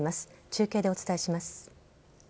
中継でお伝えします。